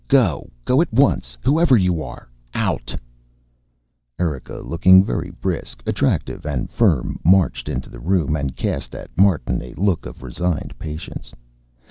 Go! Go at once. Whoever you are out!" Erika, looking very brisk, attractive and firm, marched into the room and cast at Martin a look of resigned patience.